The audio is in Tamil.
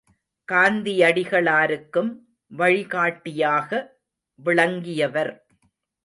காந்தியடிகளாருக்கும் வழிகாட்டியாக விளங்கியவர்.